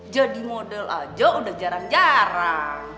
jadi model aja udah jarang jarang